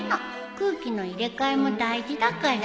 空気の入れ替えも大事だから。